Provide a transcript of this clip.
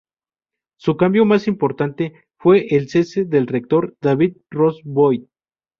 Su cambio más importante fue el cese del rector, David Ross Boyd.